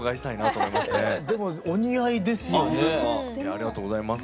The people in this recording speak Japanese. ありがとうございます。